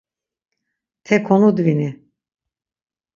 Te konudvini.